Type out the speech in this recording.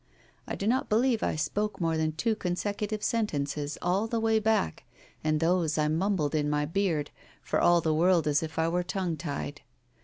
I do not believe I spoke more than two consecutive sentences all the way back, and those I mumbled in my beard, for all the world as if I were tongue tied.